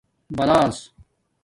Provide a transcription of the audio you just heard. بلاس